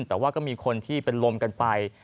แต่ว่าก็มีคนที่เป็นลมกันไป